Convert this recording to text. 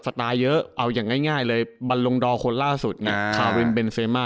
ละตาเยอะเอาง่ายเลยบัลลงดรคคนล่าสุดคาวินเบนเซมาร์